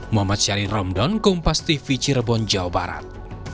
mohd syarin romdon kompas tv cirebon jawa barat